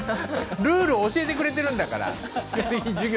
ルールを教えてくれてるんだから授業はね。